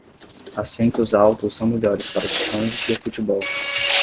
Assentos altos são melhores para os fãs de futebol.